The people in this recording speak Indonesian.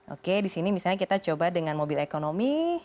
oke di sini misalnya kita coba dengan mobil ekonomi